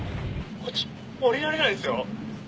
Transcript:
こっち降りられないですよ。